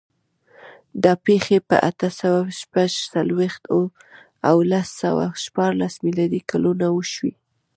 دا پېښې په اته سوه شپږ څلوېښت او لس سوه شپاړس میلادي کلونو وشوې.